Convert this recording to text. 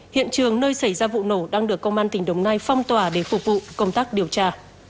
hiện trường nơi xảy ra vụ nổ đang được công an tỉnh đồng nai phong tỏa để phục vụ công tác điều tra